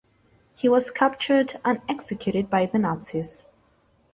He was captured and executed by the Nazis.